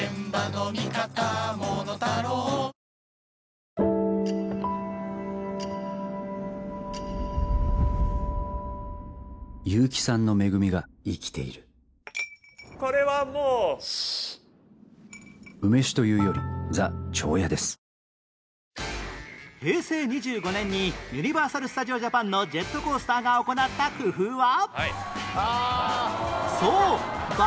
「サントリー生ビール」絶好調あぁ平成２５年にユニバーサル・スタジオ・ジャパンのジェットコースターが行った工夫は